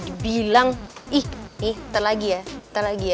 tadu juga diri di bilang ih nih ntar lagi ya ntar lagi ya